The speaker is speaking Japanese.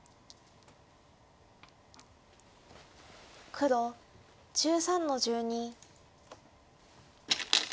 黒１３の十二。